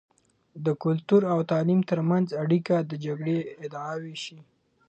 د کلتور او تعليم تر منځ اړیکه د جګړې ادعایی شې.